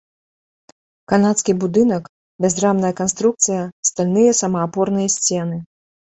Канадскі будынак, бязрамная канструкцыя, стальныя самаапорныя сцены.